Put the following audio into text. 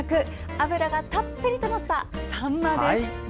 脂がたっぷりのったサンマです。